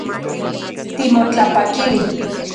Timotlapakili